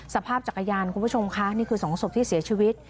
สภาพจักรยานคุณผู้ชมคะนี่คือ๒ศพที่เสียชีวิต